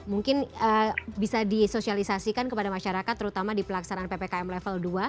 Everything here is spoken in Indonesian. mungkin bisa disosialisasikan kepada masyarakat terutama di pelaksanaan ppkm level dua